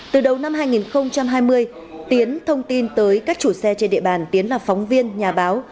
từ đầu năm hai nghìn hai mươi tiến thông tin tới các chủ xe trên địa bàn tiến là phóng viên nhà báo